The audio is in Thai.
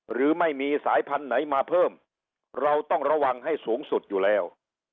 หรือไม่มีสายพันธุ์ไหนมาเพิ่มเราต้องระวังให้สูงสุดอยู่แล้ว